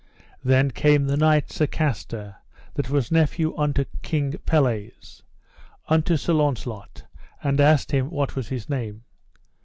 Then came the knight Sir Castor, that was nephew unto King Pelles, unto Sir Launcelot, and asked him what was his name.